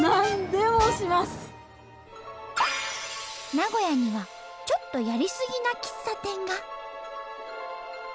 名古屋にはちょっとやりすぎな喫茶店が。